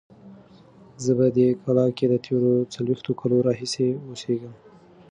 زه په دې کلا کې د تېرو څلوېښتو کلونو راهیسې اوسیږم.